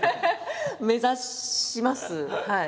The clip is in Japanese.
目指しますはい。